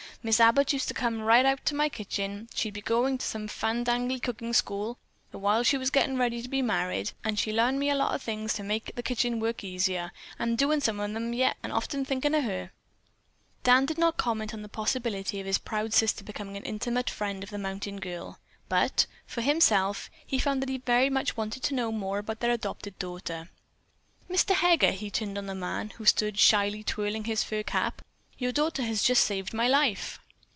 Mis' Abbott used to come right out to my kitchen. She'd been goin' to some fandangly cookin' school, the while she was gettin' ready to be married, and she larned me a lot of things to make kitchen work easier. I'm doin' some of 'em yet, and thinkin' of her often." Dan did not comment on the possibility of his proud sister becoming an intimate friend of the mountain girl, but, for himself, he found that he very much wanted to know more about their adopted daughter. "Mr. Heger," he turned to the man, who stood shyly twirling his fur cap, "your daughter has just saved my life."